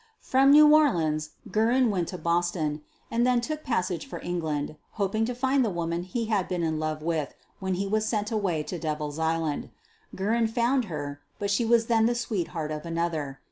From New Orleans Guerin went to Boston, and then took passage for England, hop ing to find the woman he had been in love with when he was sent away to Devil's Island. Guerin found her, but she was then the sweetheart of another.